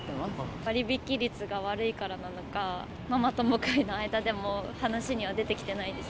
割引率が悪いからなのか、ママ友会の間でも、話には出てきてないです。